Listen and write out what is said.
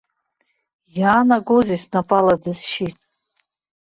Иаанагозеи снапала дысшьит?